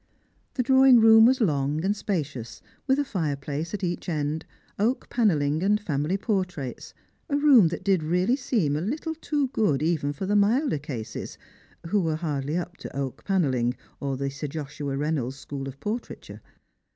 The drawing room was long and spacious, with a fireplace at each end, oak panelling and family portraits, a room that did really seem a little too good even for the milder cases, who were hardly up to oak panelling or the Sir Joshua Reynolds' school of portraiture.